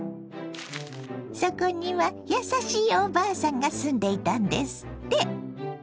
そこには優しいおばあさんが住んでいたんですって。